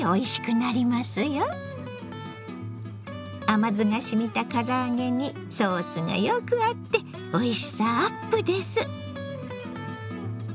甘酢がしみた唐揚げにソースがよく合っておいしさアップです。